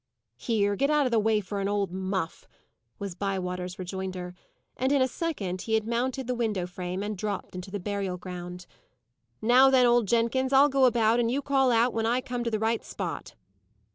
"Here! get out of the way for an old muff!" was Bywater's rejoinder; and in a second he had mounted the window frame, and dropped into the burial ground. "Now then, old Jenkins, I'll go about and you call out when I come to the right spot."